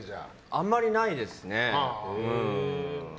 あんまりないですね。